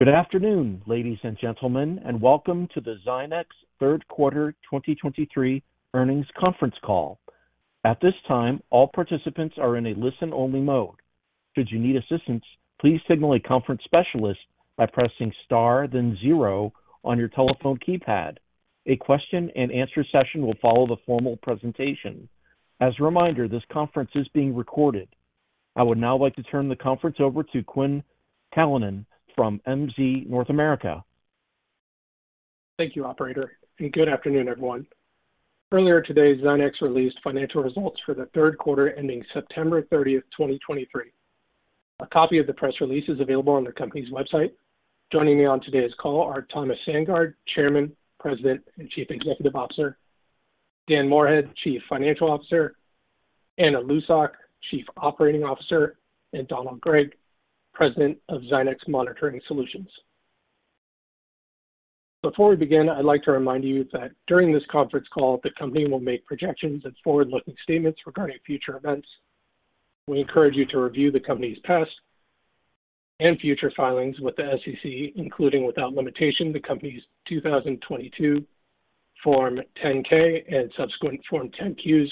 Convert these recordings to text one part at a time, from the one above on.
Good afternoon, ladies and gentlemen, and welcome to the Zynex third quarter 2023 earnings conference call. At this time, all participants are in a listen-only mode. Should you need assistance, please signal a conference specialist by pressing Star, then zero on your telephone keypad. A question-and-answer session will follow the formal presentation. As a reminder, this conference is being recorded. I would now like to turn the conference over to Quinn Callanan from MZ North America. Thank you, operator, and good afternoon, everyone. Earlier today, Zynex released financial results for the third quarter, ending September 30, 2023. A copy of the press release is available on the company's website. Joining me on today's call are Thomas Sandgaard, Chairman, President, and Chief Executive Officer, Dan Moorhead, Chief Financial Officer, Anna Lucsok, Chief Operating Officer, and Donald Gregg, President of Zynex Monitoring Solutions. Before we begin, I'd like to remind you that during this conference call, the company will make projections and forward-looking statements regarding future events. We encourage you to review the company's past and future filings with the SEC, including, without limitation, the company's 2022 Form 10-K and subsequent Form 10-Qs,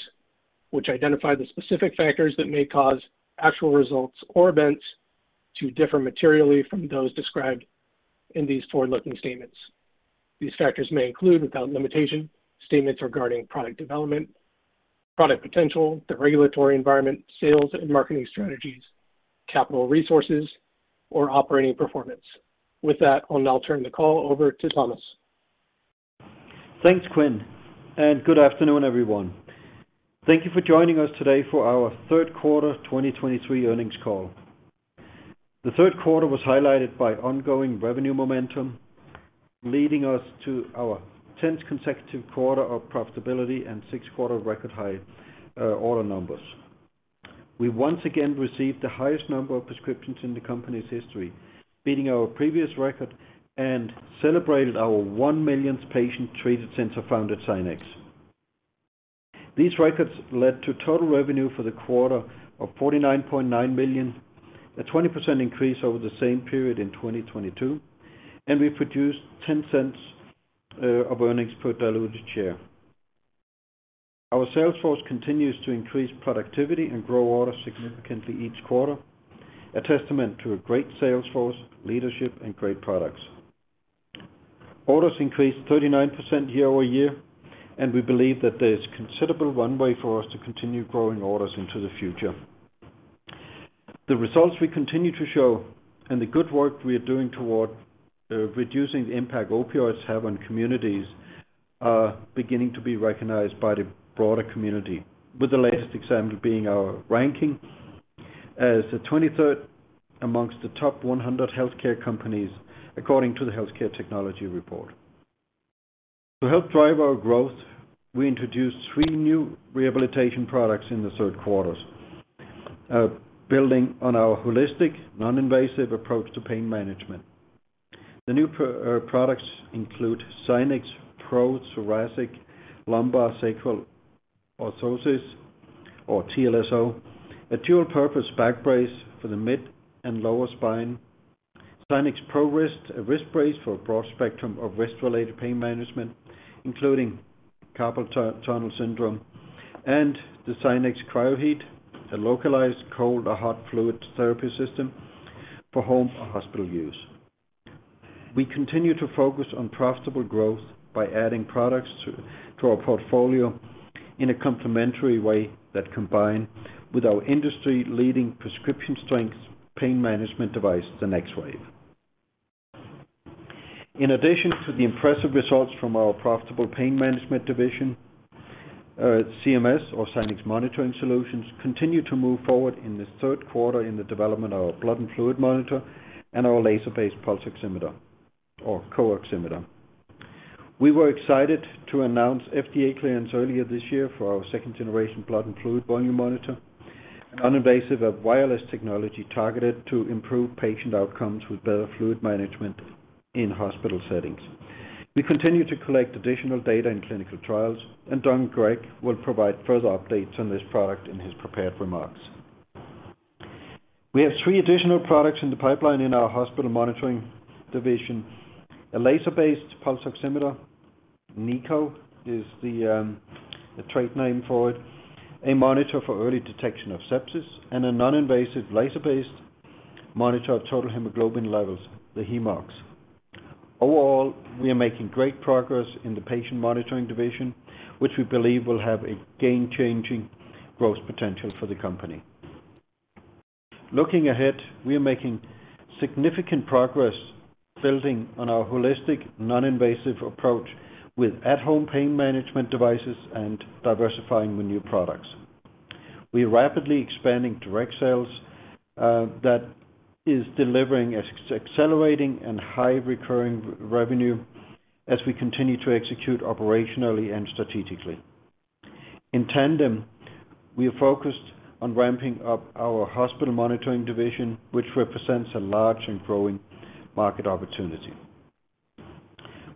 which identify the specific factors that may cause actual results or events to differ materially from those described in these forward-looking statements. These factors may include, without limitation, statements regarding product development, product potential, the regulatory environment, sales and marketing strategies, capital resources, or operating performance. With that, I'll now turn the call over to Thomas. Thanks, Quinn, and good afternoon, everyone. Thank you for joining us today for our third quarter 2023 earnings call. The third quarter was highlighted by ongoing revenue momentum, leading us to our tenth consecutive quarter of profitability and sixth quarter record high, order numbers. We once again received the highest number of prescriptions in the company's history, beating our previous record and celebrated our one millionth patient treated since I founded Zynex. These records led to total revenue for the quarter of $49.9 million, a 20% increase over the same period in 2022, and we produced $0.10 of earnings per diluted share. Our sales force continues to increase productivity and grow orders significantly each quarter, a testament to a great sales force, leadership, and great products. Orders increased 39% year-over-year, and we believe that there is considerable runway for us to continue growing orders into the future. The results we continue to show and the good work we are doing toward reducing the impact opioids have on communities are beginning to be recognized by the broader community, with the latest example being our ranking as the 23rd among the top 100 healthcare companies, according to the Healthcare Technology Report. To help drive our growth, we introduced three new rehabilitation products in the third quarter, building on our holistic, non-invasive approach to pain management. The new products include Zynex Pro Thoracic Lumbar Sacral Orthosis or TLSO, a dual-purpose back brace for the mid and lower spine. Zynex Pro Wrist, a wrist brace for a broad spectrum of wrist-related pain management, including carpal tunnel syndrome, and the Zynex CryoHeat, a localized cold or hot fluid therapy system for home or hospital use. We continue to focus on profitable growth by adding products to our portfolio in a complementary way that combine with our industry-leading prescription strength, pain management device, the NexWave. In addition to the impressive results from our profitable pain management division, ZMS or Zynex Monitoring Solutions, continue to move forward in this third quarter in the development of our blood and fluid monitor and our laser-based pulse oximeter or CO-oximeter. We were excited to announce FDA clearance earlier this year for our second-generation blood and fluid volume monitor, a non-invasive wireless technology targeted to improve patient outcomes with better fluid management in hospital settings. We continue to collect additional data in clinical trials, and Donald Gregg will provide further updates on this product in his prepared remarks. We have three additional products in the pipeline in our hospital monitoring division. A laser-based pulse oximeter, NiCO, is the trade name for it, a monitor for early detection of sepsis and a non-invasive laser-based monitor of total hemoglobin levels, the HemeOx. Overall, we are making great progress in the patient monitoring division, which we believe will have a game-changing growth potential for the company. Looking ahead, we are making significant progress building on our holistic, non-invasive approach with at-home pain management devices and diversifying the new products. We are rapidly expanding direct sales, that is delivering accelerating and high recurring revenue as we continue to execute operationally and strategically. In tandem, we are focused on ramping up our hospital monitoring division, which represents a large and growing market opportunity.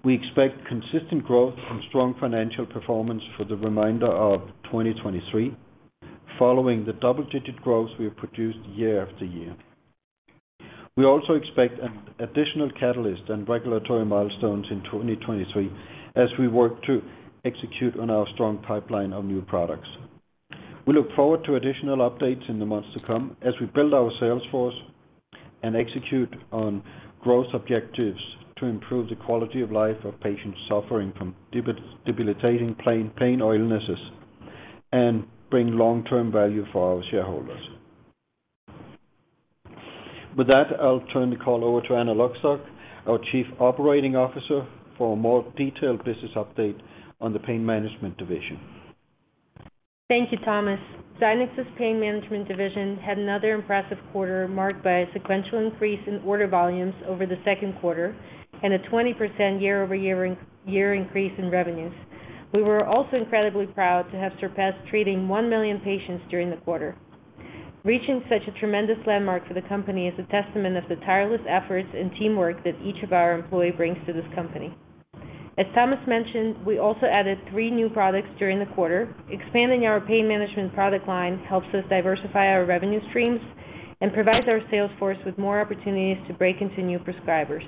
We expect consistent growth and strong financial performance for the remainder of 2023, following the double-digit growth we have produced year after year. We also expect an additional catalyst and regulatory milestones in 2023, as we work to execute on our strong pipeline of new products. We look forward to additional updates in the months to come as we build our sales force and execute on growth objectives to improve the quality of life of patients suffering from debilitating pain, pain or illnesses, and bring long-term value for our shareholders. With that, I'll turn the call over to Anna Lucsok, our Chief Operating Officer, for a more detailed business update on the Pain Management division. Thank you, Thomas. Zynex's Pain Management division had another impressive quarter, marked by a sequential increase in order volumes over the second quarter and a 20% year-over-year increase in revenues. We were also incredibly proud to have surpassed treating 1 million patients during the quarter. Reaching such a tremendous landmark for the company is a testament to the tireless efforts and teamwork that each of our employees brings to this company. As Thomas mentioned, we also added three new products during the quarter. Expanding our pain management product line helps us diversify our revenue streams and provides our sales force with more opportunities to break into new prescribers.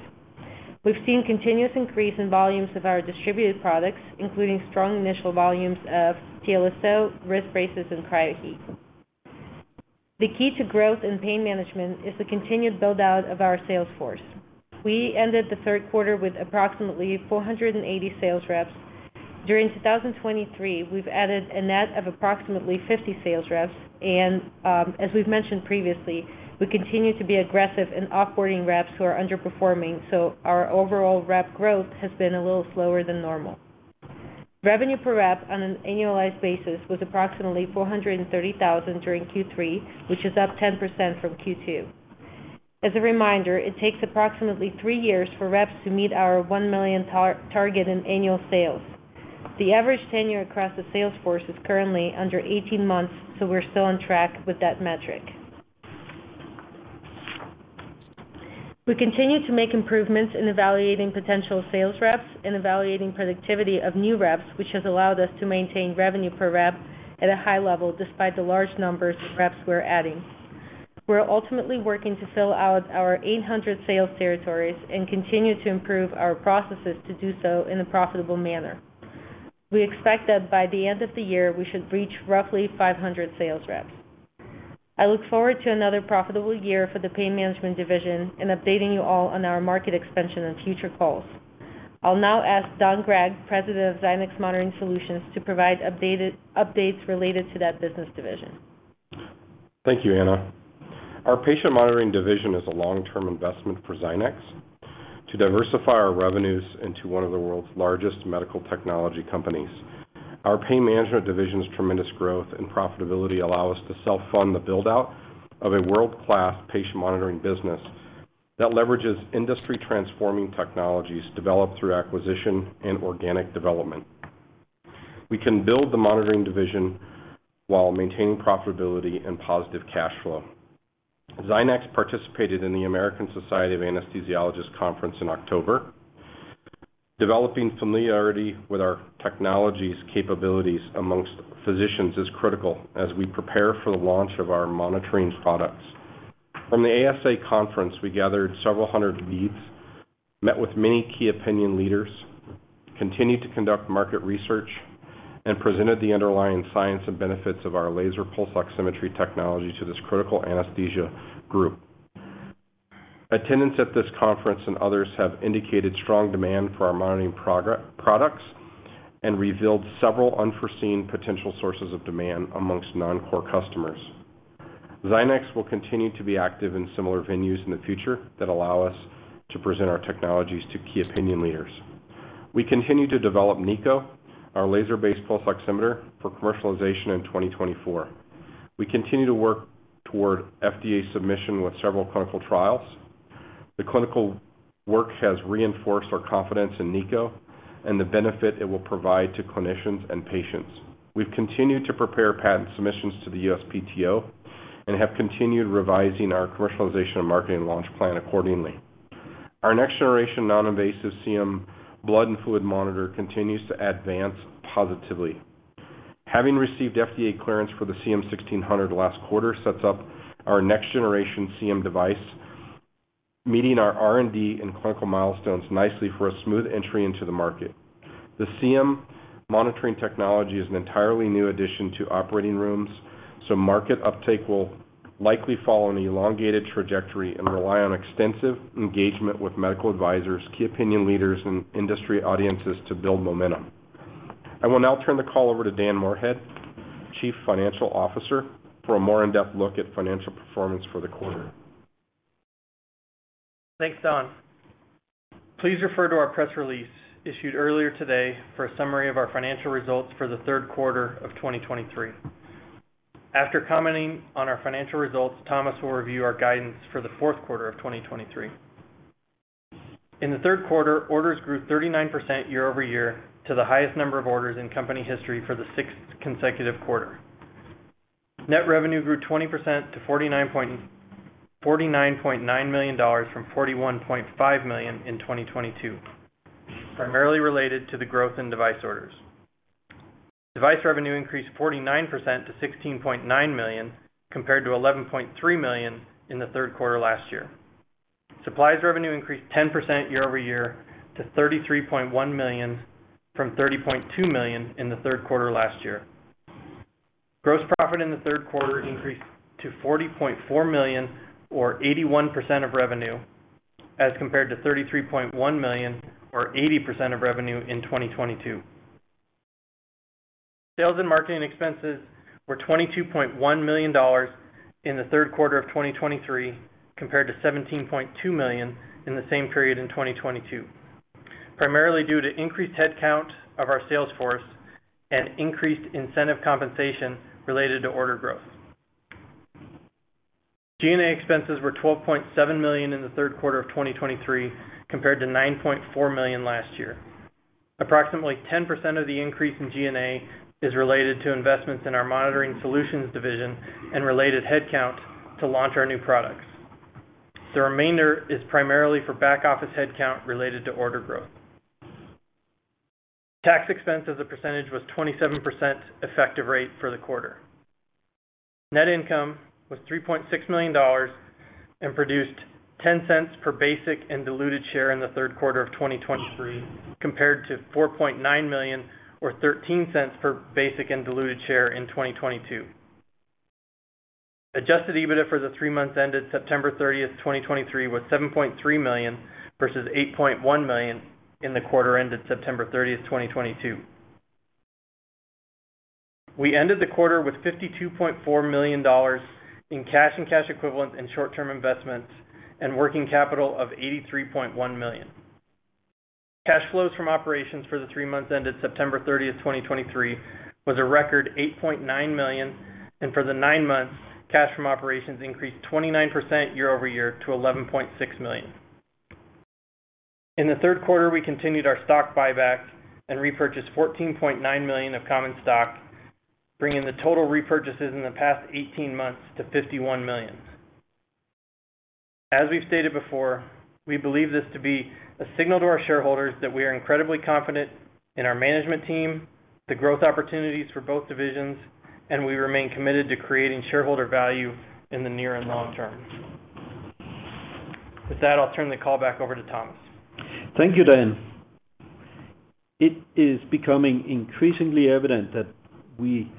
We've seen continuous increase in volumes of our distributed products, including strong initial volumes of TLSO, wrist braces, and CryoHeat. The key to growth in pain management is the continued build-out of our sales force. We ended the third quarter with approximately 480 sales reps. During 2023, we've added a net of approximately 50 sales reps, and, as we've mentioned previously, we continue to be aggressive in off-boarding reps who are underperforming, so our overall rep growth has been a little slower than normal. Revenue per rep on an annualized basis was approximately $430,000 during Q3, which is up 10% from Q2. As a reminder, it takes approximately 3 years for reps to meet our $1 million target in annual sales. The average tenure across the sales force is currently under 18 months, so we're still on track with that metric. We continue to make improvements in evaluating potential sales reps and evaluating productivity of new reps, which has allowed us to maintain revenue per rep at a high level, despite the large numbers of reps we're adding. We're ultimately working to fill out our 800 sales territories and continue to improve our processes to do so in a profitable manner. We expect that by the end of the year, we should reach roughly 500 sales reps. I look forward to another profitable year for the Pain Management division and updating you all on our market expansion on future calls. I'll now ask Don Gregg, President of Zynex Monitoring Solutions, to provide updates related to that business division. Thank you, Anna. Our Patient Monitoring division is a long-term investment for Zynex to diversify our revenues into one of the world's largest medical technology companies. Our Pain Management division's tremendous growth and profitability allow us to self-fund the build-out of a world-class patient monitoring business that leverages industry-transforming technologies developed through acquisition and organic development. We can build the Monitoring division while maintaining profitability and positive cash flow. Zynex participated in the American Society of Anesthesiologists conference in October. Developing familiarity with our technologies' capabilities among physicians is critical as we prepare for the launch of our monitoring products. From the ASA conference, we gathered several hundred leads, met with many key opinion leaders, continued to conduct market research, and presented the underlying science and benefits of our laser pulse oximetry technology to this critical anesthesia group. Attendance at this conference and others have indicated strong demand for our monitoring products and revealed several unforeseen potential sources of demand among non-core customers. Zynex will continue to be active in similar venues in the future that allow us to present our technologies to key opinion leaders. We continue to develop NiCO, our laser-based pulse oximeter, for commercialization in 2024. We continue to work toward FDA submission with several clinical trials. The clinical work has reinforced our confidence in NiCO and the benefit it will provide to clinicians and patients. We've continued to prepare patent submissions to the USPTO and have continued revising our commercialization and marketing launch plan accordingly. Our next-generation non-invasive CM blood and fluid monitor continues to advance positively. Having received FDA clearance for the CM-1600 last quarter, sets up our next-generation CM device, meeting our R&D and clinical milestones nicely for a smooth entry into the market. The CM monitoring technology is an entirely new addition to operating rooms, so market uptake will likely follow an elongated trajectory and rely on extensive engagement with medical advisors, key opinion leaders, and industry audiences to build momentum. I will now turn the call over to Dan Moorhead, Chief Financial Officer, for a more in-depth look at financial performance for the quarter. Thanks, Don. Please refer to our press release issued earlier today for a summary of our financial results for the third quarter of 2023. After commenting on our financial results, Thomas will review our guidance for the fourth quarter of 2023. In the third quarter, orders grew 39% year-over-year to the highest number of orders in company history for the sixth consecutive quarter. ...Net revenue grew 20% to $49.9 million from $41.5 million in 2022, primarily related to the growth in device orders. Device revenue increased 49% to $16.9 million, compared to $11.3 million in the third quarter last year. Supplies revenue increased 10% year-over-year to $33.1 million, from $30.2 million in the third quarter last year. Gross profit in the third quarter increased to $40.4 million, or 81% of revenue, as compared to $33.1 million, or 80% of revenue in 2022. Sales and marketing expenses were $22.1 million in the third quarter of 2023, compared to $17.2 million in the same period in 2022, primarily due to increased headcount of our sales force and increased incentive compensation related to order growth. G&A expenses were $12.7 million in the third quarter of 2023, compared to $9.4 million last year. Approximately 10% of the increase in G&A is related to investments in our monitoring solutions division and related headcount to launch our new products. The remainder is primarily for back office headcount related to order growth. Tax expense as a percentage was 27% effective rate for the quarter. Net income was $3.6 million and produced $0.10 per basic and diluted share in the third quarter of 2023, compared to $4.9 million, or $0.13 per basic and diluted share in 2022. Adjusted EBITDA for the three months ended September 30, 2023, was $7.3 million, versus $8.1 million in the quarter ended September 30, 2022. We ended the quarter with $52.4 million in cash and cash equivalent in short-term investments and working capital of $83.1 million. Cash flows from operations for the three months ended September 30, 2023, was a record $8.9 million, and for the nine months, cash from operations increased 29% year-over-year to $11.6 million. In the third quarter, we continued our stock buyback and repurchased 14.9 million of common stock, bringing the total repurchases in the past 18 months to 51 million. As we've stated before, we believe this to be a signal to our shareholders that we are incredibly confident in our management team, the growth opportunities for both divisions, and we remain committed to creating shareholder value in the near and long term. With that, I'll turn the call back over to Thomas. Thank you, Dan. It is becoming increasingly evident that we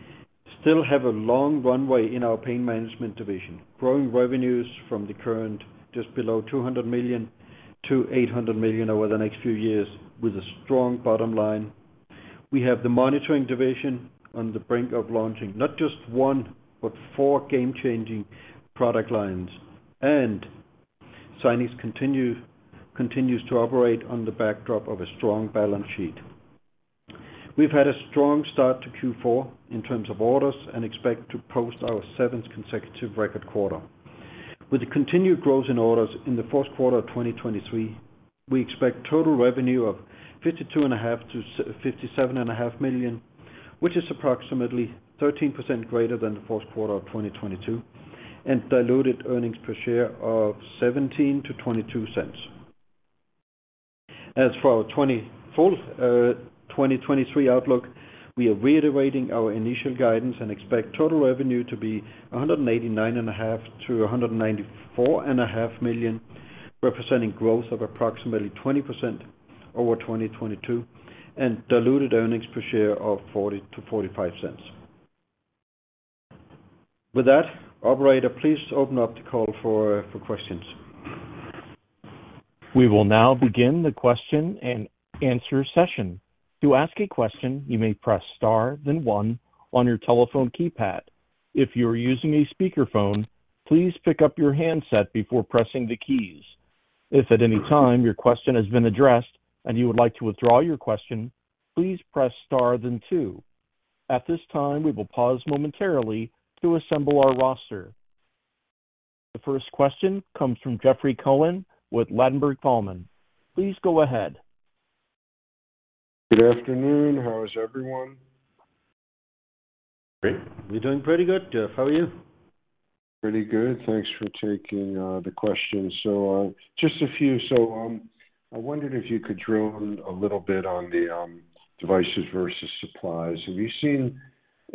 still have a long runway in our pain management division, growing revenues from the current just below $200 million to $800 million over the next few years with a strong bottom line. We have the monitoring division on the brink of launching not just one, but four game-changing product lines, and Zynex continues to operate on the backdrop of a strong balance sheet. We've had a strong start to Q4 in terms of orders and expect to post our seventh consecutive record quarter. With the continued growth in orders in the fourth quarter of 2023, we expect total revenue of $52.5-$57.5 million, which is approximately 13% greater than the fourth quarter of 2022, and diluted earnings per share of $0.17-$0.22. As for our 2023 outlook, we are reiterating our initial guidance and expect total revenue to be $189.5 million-$194.5 million, representing growth of approximately 20% over 2022, and diluted earnings per share of $0.40-$0.45. With that, operator, please open up the call for questions. We will now begin the question and answer session. To ask a question, you may press star, then one on your telephone keypad. If you are using a speakerphone, please pick up your handset before pressing the keys. If at any time your question has been addressed and you would like to withdraw your question, please press star then two. At this time, we will pause momentarily to assemble our roster. The first question comes from Jeffrey Cohen with Ladenburg Thalmann. Please go ahead. Good afternoon. How is everyone? Great. We're doing pretty good, Jeff. How are you? Pretty good. Thanks for taking the question. So, just a few. So, I wondered if you could drill a little bit on the devices versus supplies. Have you seen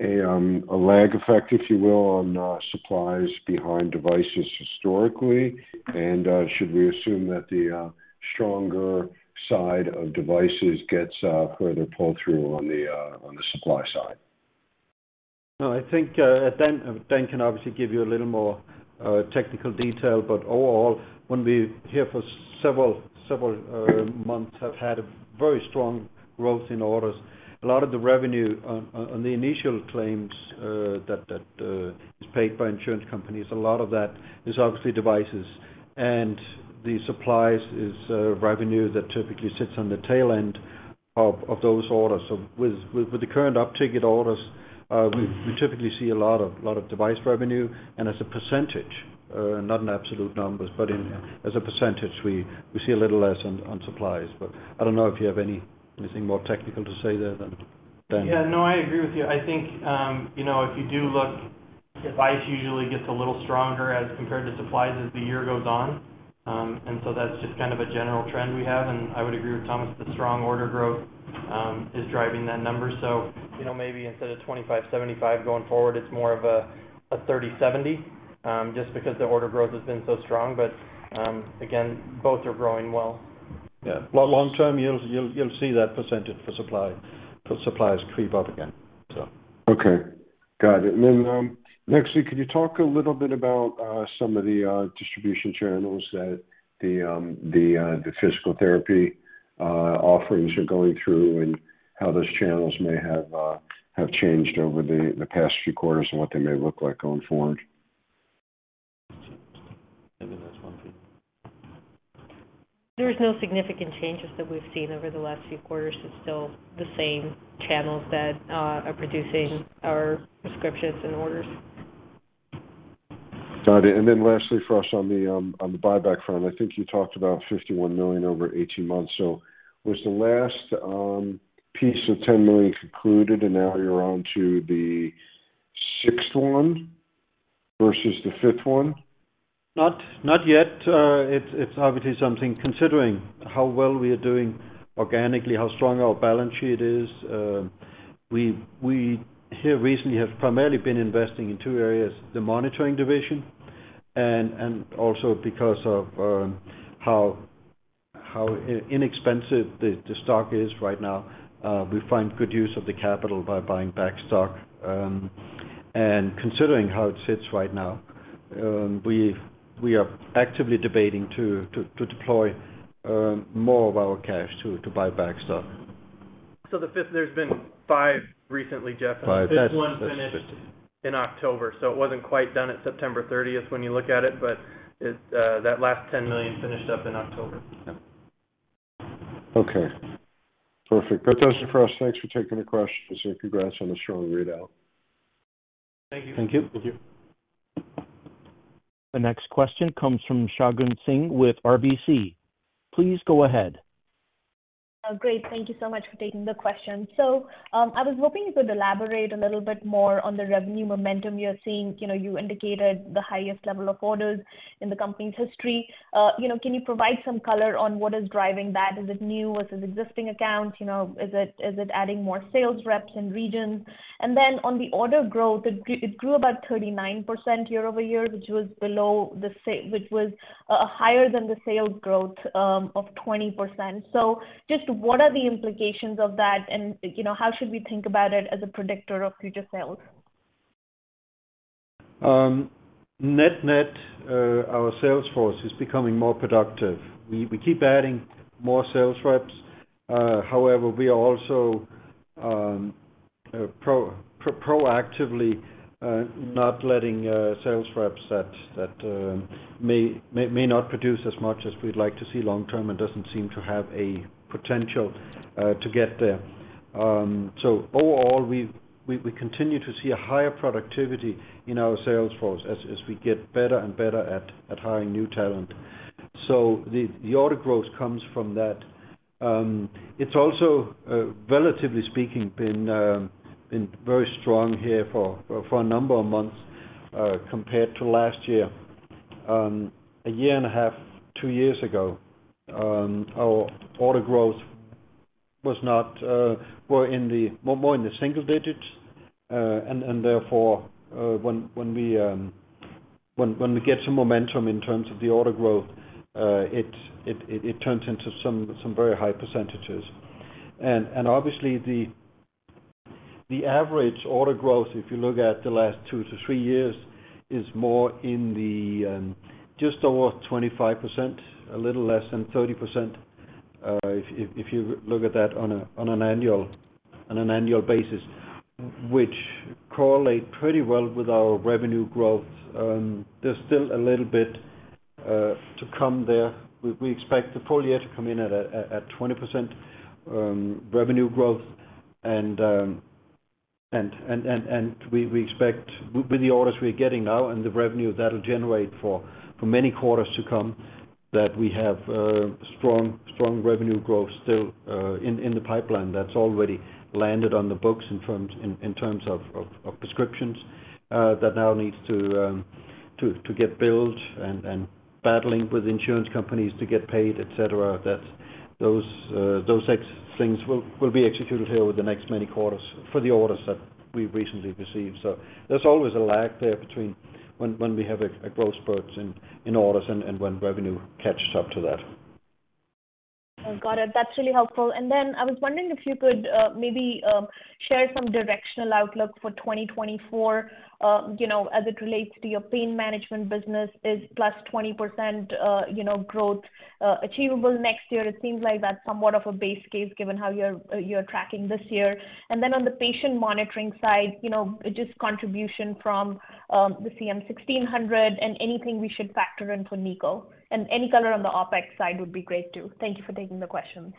a lag effect, if you will, on supplies behind devices historically? And, should we assume that the stronger side of devices gets further pull-through on the supply side? No, I think, Dan, Dan can obviously give you a little more technical detail, but overall, when we here for several, several months, have had a very strong growth in orders, a lot of the revenue on the initial claims that is paid by insurance companies, a lot of that is obviously devices. And the supplies is revenue that typically sits on the tail end of those orders. So with the current uptick orders, we typically see a lot of device revenue, and as a percentage, not in absolute numbers, but as a percentage, we see a little less on supplies. But I don't know if you have anything more technical to say there than Dan. Yeah. No, I agree with you. I think, you know, if you do look... device usually gets a little stronger as compared to supplies as the year goes on. That’s just kind of a general trend we have, and I would agree with Thomas, the strong order growth is driving that number. You know, maybe instead of 25/75 going forward, it's more of a 30/70, just because the order growth has been so strong. Again, both are growing well. Yeah. Well, long term, you'll see that percentage for suppliers creep up again, so. Okay, got it. Next, could you talk a little bit about some of the distribution channels that the physical therapy offerings are going through, and how those channels may have changed over the past few quarters and what they may look like going forward? There is no significant changes that we've seen over the last few quarters. It's still the same channels that are producing our prescriptions and orders. Got it. And then lastly, for us on the buyback front, I think you talked about $51 million over 18 months. So was the last piece of $10 million concluded, and now you're on to the sixth one versus the fifth one? Not, not yet. It's obviously something, considering how well we are doing organically, how strong our balance sheet is, we here recently have primarily been investing in two areas, the monitoring division, and also because of how inexpensive the stock is right now, we find good use of the capital by buying back stock. Considering how it sits right now, we've—we are actively debating to deploy more of our cash to buy back stock. So, the fifth. There's been five recently, Jeff. Five. This one finished in October, so it wasn't quite done at September thirtieth when you look at it, but it, that last $10 million finished up in October. Yeah. Okay, perfect. That's it for us. Thanks for taking the questions, and congrats on the strong readout. Thank you. Thank you. Thank you. The next question comes from Shagun Singh with RBC. Please go ahead. Great. Thank you so much for taking the question. So, I was hoping you could elaborate a little bit more on the revenue momentum you're seeing. You know, you indicated the highest level of orders in the company's history. You know, can you provide some color on what is driving that? Is it new, or is it existing accounts? You know, is it adding more sales reps in regions? And then on the order growth, it grew about 39% year-over-year, which was higher than the sales growth of 20%. So just what are the implications of that? And, you know, how should we think about it as a predictor of future sales? Net net, our sales force is becoming more productive. We keep adding more sales reps. However, we are also proactively not letting sales reps that may not produce as much as we'd like to see long term and doesn't seem to have a potential to get there. So overall, we continue to see a higher productivity in our sales force as we get better and better at hiring new talent. So the order growth comes from that. It's also, relatively speaking, been very strong here for a number of months compared to last year. A year and a half, two years ago, our order growth was not were in the more in the single digits. Therefore, when we get some momentum in terms of the order growth, it turns into some very high percentages. And obviously, the average order growth, if you look at the last 2-3 years, is more in the just over 25%, a little less than 30%, if you look at that on an annual basis, which correlate pretty well with our revenue growth. There's still a little bit to come there. We expect the full year to come in at 20% revenue growth. We expect with the orders we're getting now and the revenue that'll generate for many quarters to come, that we have strong revenue growth still in the pipeline that's already landed on the books in terms of prescriptions that now needs to get billed and battling with insurance companies to get paid, et cetera. That those ex- things will be executed here over the next many quarters for the orders that we've recently received. So there's always a lag there between when we have a growth spurt in orders and when revenue catches up to that. Got it. That's really helpful. I was wondering if you could maybe share some directional outlook for 2024, you know, as it relates to your pain management business. Is +20% growth achievable next year? It seems like that's somewhat of a base case, given how you're tracking this year. On the patient monitoring side, you know, just contribution from the CM-1600 and anything we should factor in for NiCO. Any color on the OpEx side would be great, too. Thank you for taking the questions.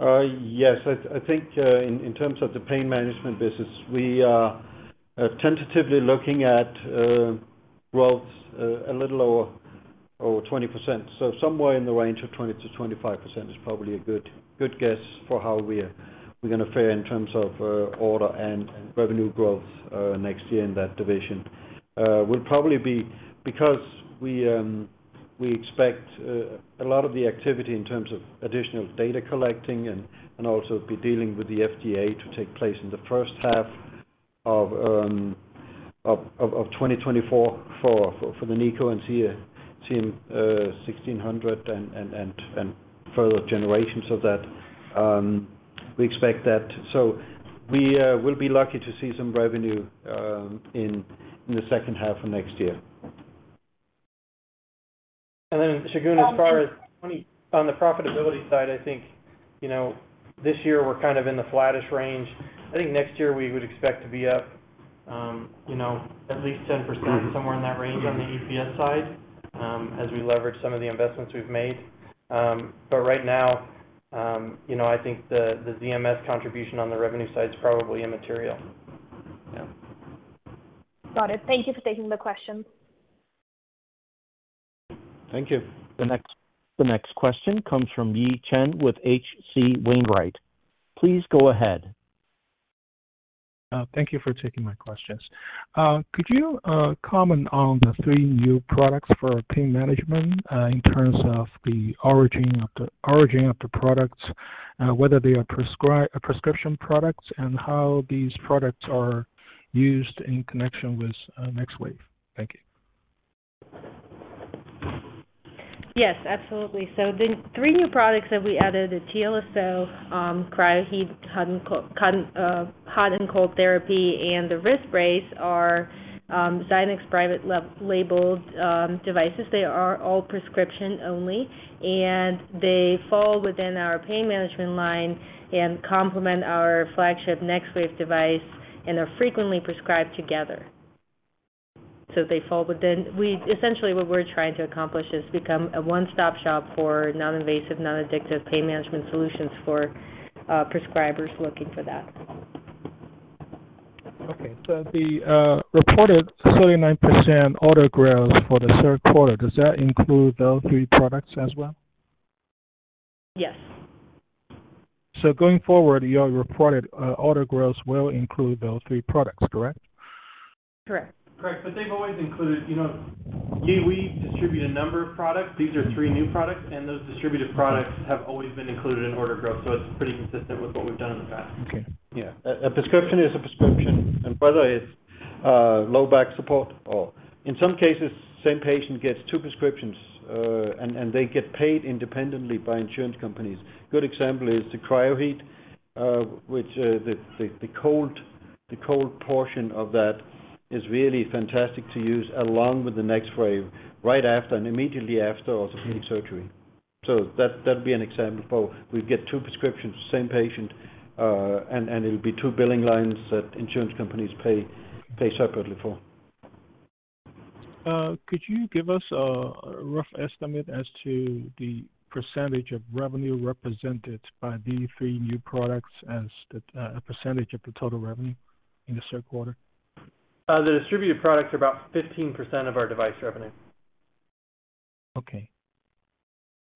Yes. I think in terms of the pain management business, we are tentatively looking at growth a little lower or 20%. So somewhere in the range of 20%-25% is probably a good guess for how we're gonna fare in terms of order and revenue growth next year in that division. We'll probably be because we expect a lot of the activity in terms of additional data collecting and also be dealing with the FDA to take place in the first half of 2024 for the NiCO and CM-1600 and further generations of that. We expect that. So we will be lucky to see some revenue in the second half of next year. And then, Shagun, as far as on the profitability side, I think, you know, this year we're kind of in the flattest range. I think next year we would expect to be up, you know, at least 10%, somewhere in that range, on the EPS side, as we leverage some of the investments we've made. But right now, you know, I think the ZMS contribution on the revenue side is probably immaterial. Yeah. Got it. Thank you for taking the question. Thank you. The next, the next question comes from Yi Chen with H.C. Wainwright. Please go ahead. Thank you for taking my questions. Could you comment on the three new products for pain management, in terms of the origin of the products, whether they are prescription products, and how these products are used in connection with NexWave? Thank you. Yes, absolutely. So the three new products that we added, the TLSO, CryoHeat, hot and cold therapy, and the wrist brace are Zynex private labeled devices. They are all prescription only, and they fall within our pain management line and complement our flagship NexWave device and are frequently prescribed together. So they fall within. We essentially, what we're trying to accomplish is become a one-stop shop for non-invasive, non-addictive pain management solutions for prescribers looking for that. Okay. So the reported 39% order growth for the third quarter, does that include those three products as well? Yes. Going forward, your reported order growth will include those three products, correct? Correct. Correct. But they've always included, you know, Yi, we distribute a number of products. These are three new products, and those distributed products have always been included in order growth, so it's pretty consistent with what we've done in the past. Okay. Yeah. A prescription is a prescription, and whether it's low back support or in some cases, same patient gets two prescriptions, and they get paid independently by insurance companies. Good example is the CryoHeat, which the cold portion of that is really fantastic to use along with the NexWave, right after and immediately after or during surgery. So that'd be an example for we'd get two prescriptions, same patient, and it'll be two billing lines that insurance companies pay separately for. Could you give us a rough estimate as to the percentage of revenue represented by these three new products as a percentage of the total revenue in the third quarter? The distributed products are about 15% of our device revenue. Okay.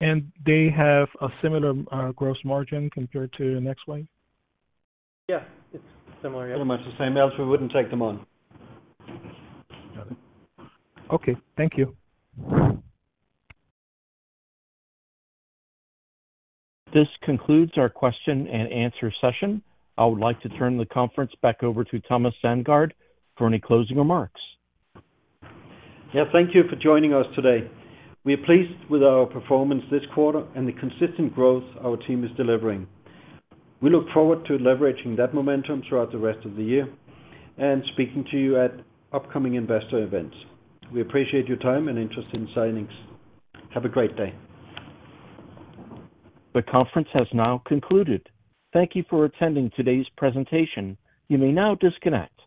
And they have a similar gross margin compared to NexWave? Yes, it's similar. Pretty much the same, else we wouldn't take them on. Got it. Okay, thank you. This concludes our question and answer session. I would like to turn the conference back over to Thomas Sandgaard for any closing remarks. Yeah, thank you for joining us today. We are pleased with our performance this quarter and the consistent growth our team is delivering. We look forward to leveraging that momentum throughout the rest of the year and speaking to you at upcoming investor events. We appreciate your time and interest in Zynex. Have a great day. The conference has now concluded. Thank you for attending today's presentation. You may now disconnect.